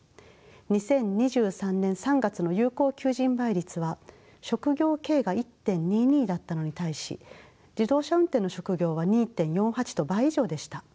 ２０２３年３月の有効求人倍率は職業計が１．２２だったのに対し自動車運転の職業は２．４８と倍以上でした。